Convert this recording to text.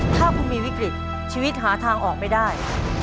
ถ้าคุณมีวิกฤตชีวิตหาทางออกไม่ได้